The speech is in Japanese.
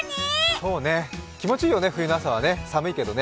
そうね、気持ちいいよね、冬の朝はね、寒いけどね。